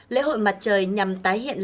lễ hội mặt trời nhằm tái hiện lý